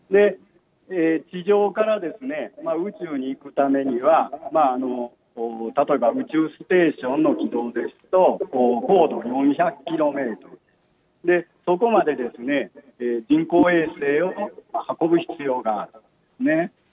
地上から宇宙に行くためには、例えば宇宙ステーションの軌道ですと、高度４００キロメートル、そこまで人工衛星を運ぶ必要があるんですね。